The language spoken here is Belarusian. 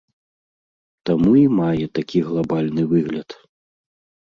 Таму і мае такі глабальны выгляд.